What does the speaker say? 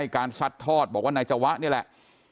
การซัดทอดบอกว่านายจวะนี่แหละ